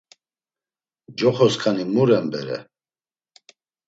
Coxoskani muren bere?